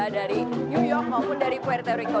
dari new york maupun dari puerto rico